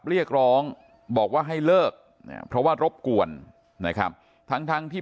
เรียกร้องบอกว่าให้เลิกเนี่ยเพราะว่ารบกวนนะครับทั้งทั้งที่